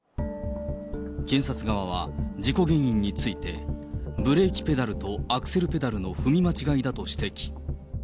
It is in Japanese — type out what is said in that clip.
検察側は事故原因について、ブレーキペダルとアクセルペダルの踏み間違いだと指摘。